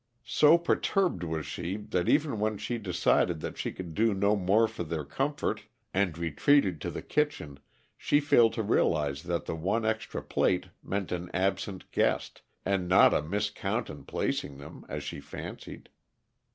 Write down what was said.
So perturbed was she that even when she decided that she could do no more for their comfort and retreated to the kitchen, she failed to realize that the one extra plate meant an absent guest, and not a miscount in placing them, as she fancied.